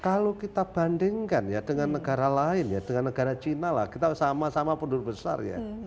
kalau kita bandingkan ya dengan negara lain ya dengan negara cina lah kita sama sama penduduk besar ya